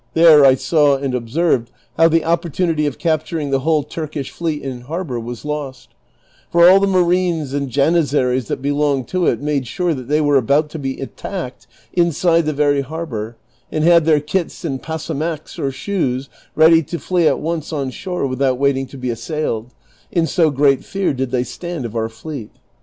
There I saw and observed how the opportunity of capturing the whole Turkish fleet in harbor was lost; for all the marines and janizzaries that belonged to it made sure that they were about to be attacked inside the very harbor, and had their kits and pasamaques, or shoes, ready to flee at once on shore without waiting to be assailed, in so great fear did they stand of our fleet.